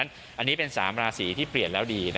อันนี้เป็น๓ราศีที่เปลี่ยนแล้วดี